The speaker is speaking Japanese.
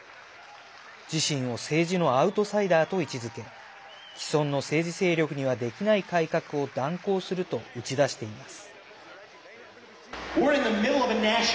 自身を政治のアウトサイダーと位置づけ既存の政治勢力にはできない改革を断行すると打ち出しています。